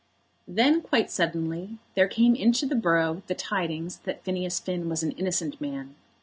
Then, quite suddenly, there came into the borough the tidings that Phineas Finn was an innocent man.